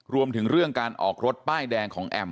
รวมถึงเรื่องการออกรถป้ายแดงของแอม